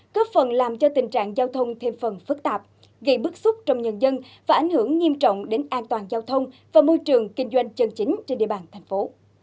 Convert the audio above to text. có phần làm cho tình trạng giao thông thêm phần phức tạp gây bức xúc trong nhân dân và ảnh hưởng nghiêm trọng đến an toàn giao thông và môi trường kinh doanh chân chính trên địa bàn thành phố